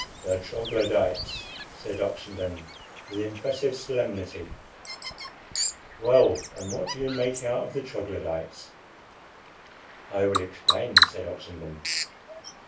"The Troglodytes," said Oxenden, with impressive solemnity. "Well, and what do you make out of the Troglodytes?" "I will explain," said Oxenden.